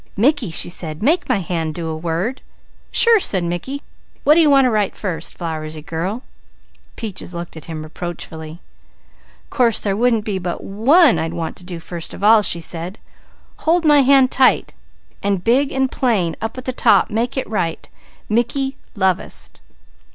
"Mickey!" she said. "Make my hand do a word!" "Sure!" said Mickey. "What do you want to write first, Flowersy girl?" Peaches looked at him reproachfully. "Course there wouldn't be but one I'd want to do first of all," she said. "Hold my hand tight, and big and plain up at the top make it write, 'Mickey lovest.'"